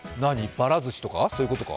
ばらずしとか、そういうことか。